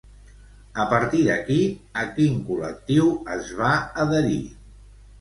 A partir d'aquí, a quin col·lectiu es va adherir?